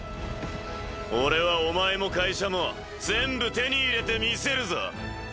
俺はお前も会社も全部手に入れてみせるぞ。